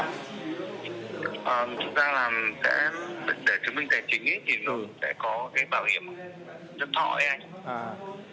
thực ra là để chứng minh tài chính thì sẽ có cái bảo hiểm nhân thọ đấy anh